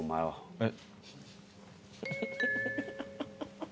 えっ。